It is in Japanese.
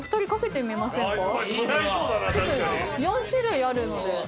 ４種類あるので。